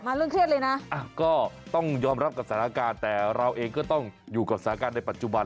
เรื่องเครียดเลยนะก็ต้องยอมรับกับสถานการณ์แต่เราเองก็ต้องอยู่กับสถานการณ์ในปัจจุบัน